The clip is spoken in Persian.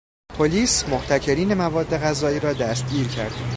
پلیس، محتکرین مواد غذایی را دستگیر کرد